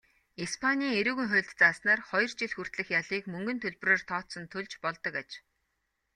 Испанийн эрүүгийн хуульд зааснаар хоёр жил хүртэлх ялыг мөнгөн төлбөрөөр тооцон төлж болдог аж.